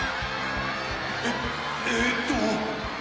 ええっと。